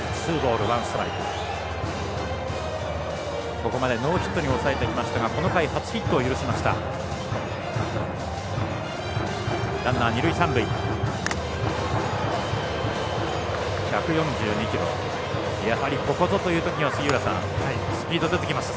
ここまでノーヒットに抑えてきましたがこの回、初ヒットを許しました。